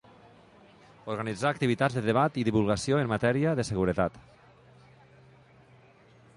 Organitzar activitats de debat i divulgació en matèria de seguretat.